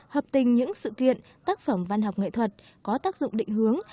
hợp tình những sự kiện tác phẩm văn học nghệ thuật có tác dụng định hướng